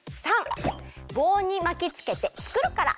③ぼうにまきつけてつくるから。